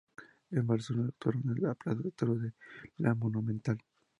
En Barcelona, actuarán en la plaza de toros de la Monumental.